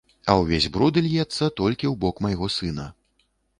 А ўвесь бруд льецца толькі ў бок майго сына.